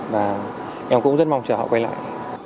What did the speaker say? và em cũng rất mong chờ họ quay lại